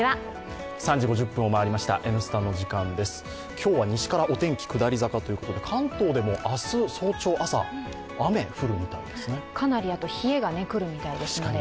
今日は西からお天気、下り坂ということで関東でも明日早朝、雨降るみたいですね。